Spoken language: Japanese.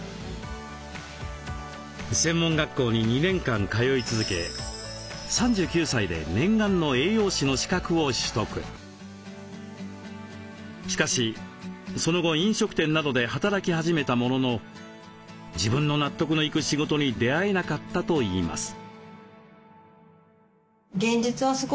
専門学校に２年間通い続けしかしその後飲食店などで働き始めたものの自分の納得のいく仕事に出会えなかったといいます。